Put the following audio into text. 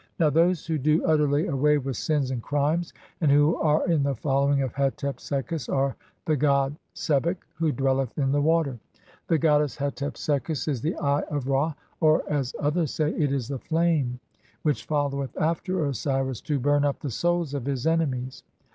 Now those who do utterly away with (93) sins and crimes and who are in the following of Hetep sekhus (94) are the god Sebek who dwelleth in the water. The goddess Hetep sekhus is the Eye of (95) Ra ; or (as others say), it is the flame which followeth after Osiris to burn up (96) the souls of his enemies.